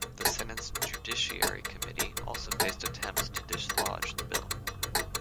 The Senate's Judiciary Committee also faced attempts to dislodge the bill.